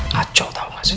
kacau tau gak sih